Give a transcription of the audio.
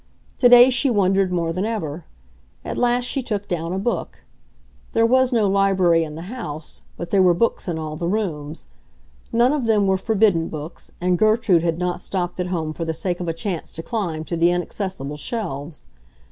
Today she wondered more than ever. At last she took down a book; there was no library in the house, but there were books in all the rooms. None of them were forbidden books, and Gertrude had not stopped at home for the sake of a chance to climb to the inaccessible shelves.